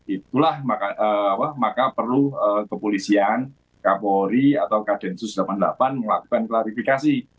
itulah maka perlu kepolisian kapolri atau kadensus delapan puluh delapan melakukan klarifikasi